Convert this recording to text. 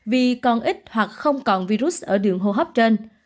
vì còn ít hoặc không còn virus ở đường hô hấp trên